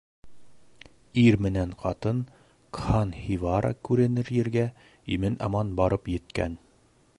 — Ир менән ҡатын Кһанһивара күренер ергә имен-аман барып еткән.